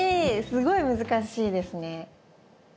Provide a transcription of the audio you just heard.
すごい難しいですね。